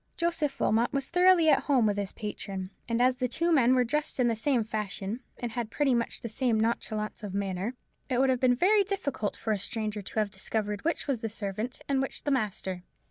Joseph Wilmot was thoroughly at home with his patron; and as the two men were dressed in the same fashion, and had pretty much the same nonchalance of manner, it would have been very difficult for a stranger to have discovered which was the servant and which the master.